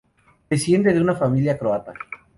Desciende de una familia croata.